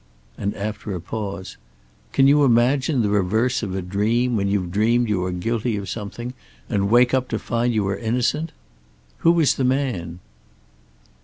And after a pause: "Can you imagine the reverse of a dream when you've dreamed you are guilty of something and wake up to find you are innocent? Who was the man?"